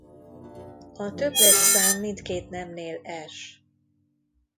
A többes szám mindkét nemnél es.